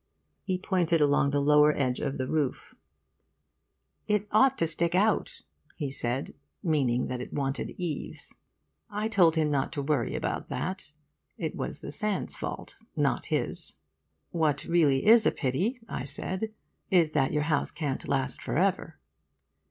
He pointed along the lower edge of the roof: 'It ought to stick out,' he said, meaning that it wanted eaves. I told him not to worry about that: it was the sand's fault, not his. 'What really is a pity,' I said, 'is that your house can't last for ever.